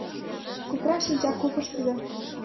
Купран шинча купышто да